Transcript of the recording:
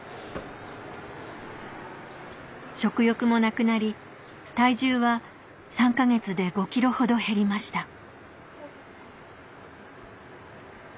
食欲もなくなり体重は３か月で５ｋｇほど減りました